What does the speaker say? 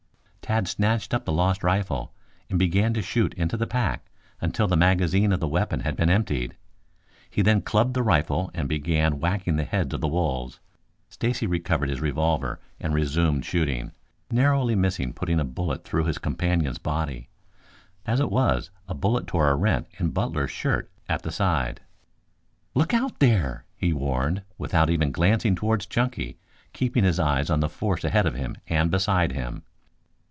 Tad snatched up the lost rifle and began to shoot into the pack until the magazine of the weapon had been emptied. He then clubbed the rifle and began whacking the heads of the wolves. Stacy recovered his revolver and resumed shooting, narrowly missing putting a bullet through his companion's body. As it was a bullet tore a rent in Butler's shirt at the side. "Look out there!" he warned, without even glancing towards Chunky, keeping his eyes on the force ahead of him and beside him.